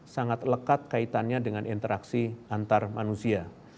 sangat lekat kaitannya dengan interaksi antar manusia